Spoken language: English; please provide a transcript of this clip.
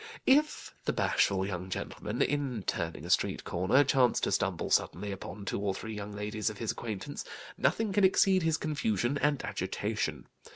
If the bashful young gentleman, in turning a street corner, chance to stumble suddenly upon two or three young ladies of his acquaintance, nothing can exceed his confusion and agitation.